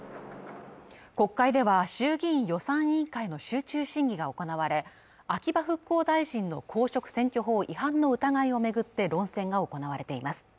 国会では衆議院予算委員会の集中審議が行われ秋葉復興大臣の公職選挙法違反の疑いを巡って論戦が行われています